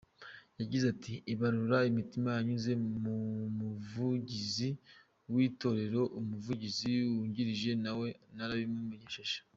Yagize ati “Ibaruwa intumira yanyuze ku Muvugizi w’Itorero, Umuvugizi wungirije nawe narabimumenyesheje.